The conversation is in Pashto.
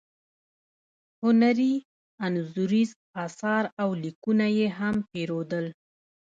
هنري انځوریز اثار او لیکونه یې هم پیرودل.